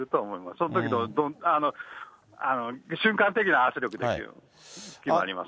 そのときの、瞬間的な圧力で決まります。